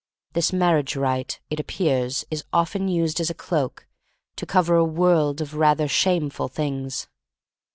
This marriage rite, it appears, is often used as a cloak to cover a world of rather shameful things.